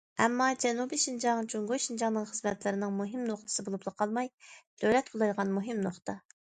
ئەمما جەنۇبىي شىنجاڭ جۇڭگو شىنجاڭنىڭ خىزمەتلىرىنىڭ مۇھىم نۇقتىسى بولۇپلا قالماي، دۆلەت قوللايدىغان مۇھىم نۇقتا.